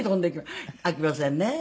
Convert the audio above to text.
あきませんね。